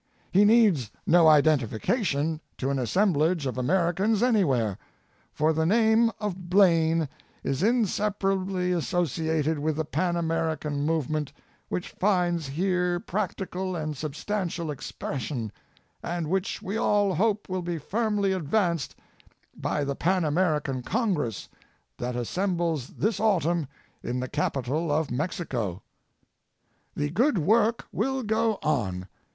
He needs no identification to an assemblage of Americans anywhere, for the name of Blaine is inseparably associated with the Pan Ameri can movement which finds here practical and sub stantial expression, and which we all hope will be firmly advanced by the Pan American Congress that assembles this autumn in the capital of Mexico. Last Speech of William McKinley. n The good work will go on.